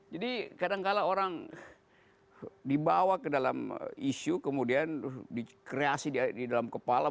jadi kadang kadang orang dibawa ke dalam isu kemudian dikreasi di dalam kepala